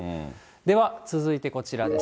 では続いてこちらです。